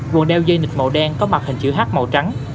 quần đeo dây nịt màu đen có mặt hình chữ h màu trắng